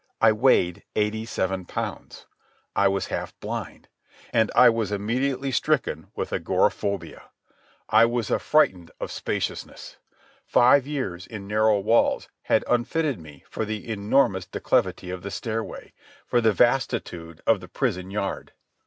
I weighed eighty seven pounds. I was half blind. And I was immediately stricken with agoraphobia. I was affrighted by spaciousness. Five years in narrow walls had unfitted me for the enormous declivity of the stairway, for the vastitude of the prison yard.